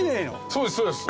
そうですそうです。